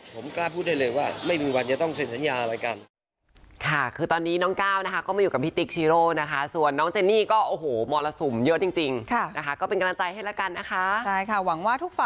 ผมกล้าพูดได้เลยว่าไม่มีวันจะต้องเซ็นสัญญาอะไรกัน